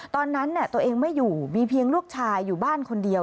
ตอนนั้นตัวเองไม่อยู่มีเพียงลูกชายอยู่บ้านคนเดียว